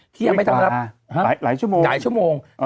ที่ยังไม่ทำให้รับหลายชั่วโมงหลายชั่วโมง